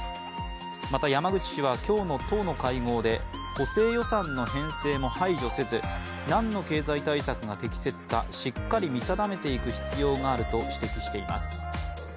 また、山口氏は今日の党の会合で補正予算の編成も排除せず何の経済対策が適切か、しっかり見定めていく必要があると指摘しています。